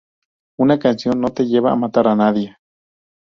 Una canción no te lleva a matar a nadie.